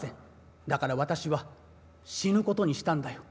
だから私は死ぬことにしたんだよ。